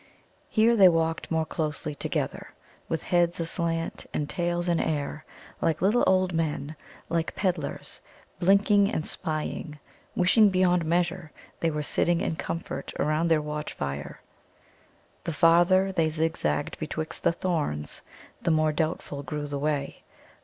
Here they walked more closely together, with heads aslant and tails in air, like little old men, like pedlars, blinking and spying, wishing beyond measure they were sitting in comfort around their watch fire. The farther they zigzagged betwixt the thorns, the more doubtful grew the way.